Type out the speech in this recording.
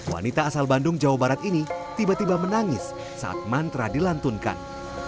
wanita asal bandung jawa barat ini tiba tiba menangis saat mantra dilantunkan